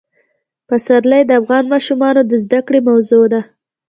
پسرلی د افغان ماشومانو د زده کړې موضوع ده.